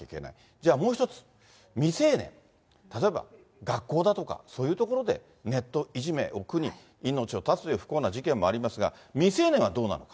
じゃあ、もう一つ、未成年、例えば学校だとかそういうところで、ネットいじめを苦に命を絶つという不幸な事件もありますが、未成年はどうなのか。